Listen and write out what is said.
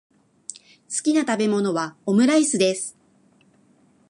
好きな食べ物はオムライスです。